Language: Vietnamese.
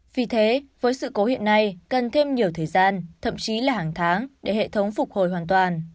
vì thế với sự cố hiện nay cần thêm nhiều thời gian thậm chí là hàng tháng để hệ thống phục hồi hoàn toàn